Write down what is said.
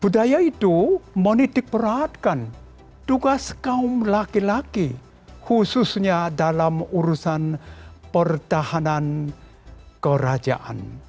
budaya itu menitik beratkan tugas kaum laki laki khususnya dalam urusan pertahanan kerajaan